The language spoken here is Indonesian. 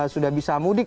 sudah bisa mudik